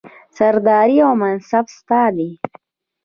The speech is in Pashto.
سرداري او منصب ستا دی